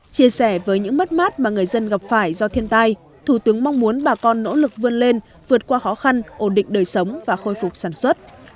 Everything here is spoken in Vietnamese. chia sẻ với những mất mát mà người dân gặp phải do thiên tai thủ tướng mong muốn bà con nỗ lực vươn lên vượt qua khó khăn ổn định đời sống và khôi phục sản xuất